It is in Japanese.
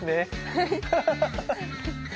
はい。